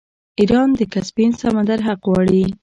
ایران د کسپین سمندر حق غواړي.